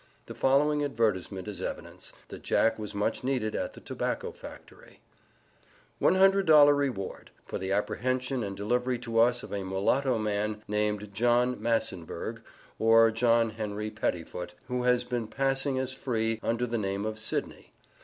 The following advertisement is evidence, that Jack was much needed at the tobacco factory. $100 REWARD For the apprehension and delivery to us of a MULATTO MAN, named John Massenberg, or John Henry Pettifoot, who has been passing as free, under the name of Sydney.